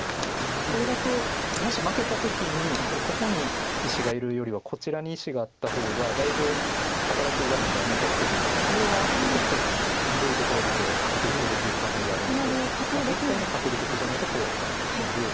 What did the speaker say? これだともし負けた時にやはりここに石がいるよりはこちらに石があった方がだいぶ働きがまだ残ってるんですけどこれは結構ひどいところにくっついてるという感じがあるので絶対に勝てる時じゃないとこうは打たないので。